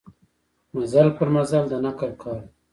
مزل پر مزل د نقل کار دی.